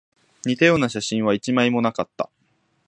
似たような写真は一枚もなかった